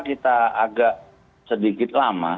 kita agak sedikit lama